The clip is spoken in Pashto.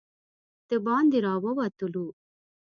د باندې راووتلو.